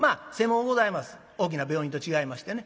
大きな病院と違いましてね。